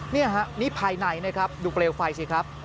นี่ฮะนี่ภายในนะครับดูเปลวไฟสิครับ